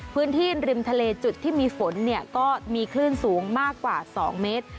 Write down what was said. พื้นที่ริมทะเลจุดที่มีฝนเนี่ยก็มีคลื่นสูงมากกว่า๒เมตร